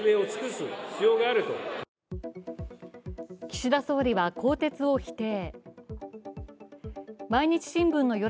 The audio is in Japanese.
岸田総理は更迭を否定。